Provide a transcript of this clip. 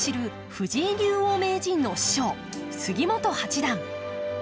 藤井竜王名人の師匠杉本八段。